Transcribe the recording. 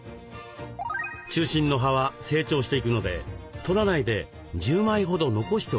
中心の葉は成長していくのでとらないで１０枚ほど残しておきます。